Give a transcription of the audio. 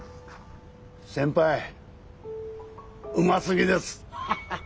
先輩うますぎです。ハハハ。